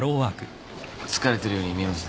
疲れてるように見えます？